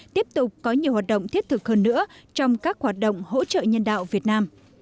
tiếp tục có nhiều hoạt động thiết thực hơn nữa trong các hoạt động hỗ trợ nhân đạo việt nam